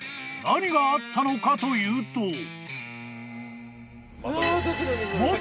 ［何があったのかというと］